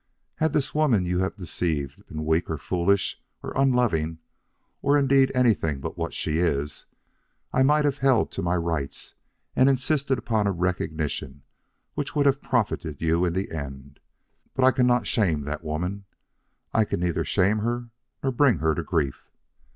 Had this woman you have deceived been weak or foolish or unloving, or indeed anything but what she is, I might have held to my rights and insisted upon a recognition which would have profited you in the end. But I cannot shame that woman I can neither shame her nor bring her to grief.